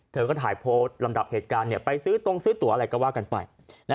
เธอก็ถ่ายโพสต์ลำดับเหตุการณ์ไปซื้อตรงซื้อตัวอะไรก็ว่ากันไป